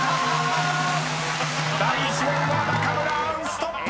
［第１問は中村アンストップ！］